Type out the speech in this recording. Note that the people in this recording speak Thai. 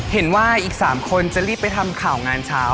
เห็นว่าอีก๓คนจะรีบไปทำข่าวงานเช้า